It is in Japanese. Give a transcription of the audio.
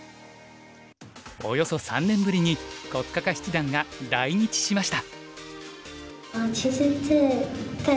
およそ３年ぶりに黒嘉嘉七段が来日しました。